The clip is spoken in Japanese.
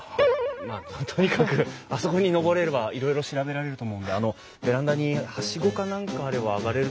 まあとにかくあそこに登れればいろいろ調べられると思うんであのベランダにはしごか何かあれば上がれると思うんですけど。